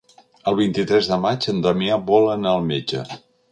El vint-i-tres de maig en Damià vol anar al metge.